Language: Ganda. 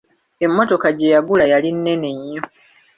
Emmotoka gye yagula yali nnene nnyo.